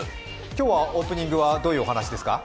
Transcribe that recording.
今日はオープニングはどういうお話ですか？